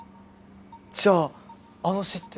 じゃああの詩って。